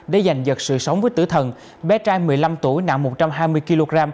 để giành giật sự sống với tử thần bé trai một mươi năm tuổi nặng một trăm hai mươi kg